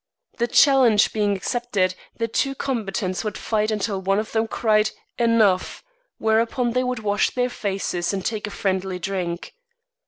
The challenge being accepted, the two combatants would fight until one of them cried, Enough; whereupon they would wash their faces and take a friendly drink.